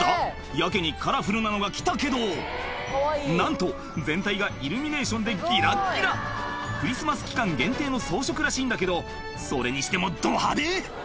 やけにカラフルなのが来たけどなんと全体がイルミネーションでギラッギラクリスマス期間限定の装飾らしいんだけどそれにしてもど派手！